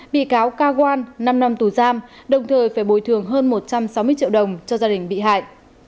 bị cáo ca quan năm năm tù giam đồng thời phải bồi thường hơn một trăm sáu mươi triệu đồng cho gia đình bị hại